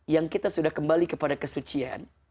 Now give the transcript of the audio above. yang kita sudah kembali kepada kesucian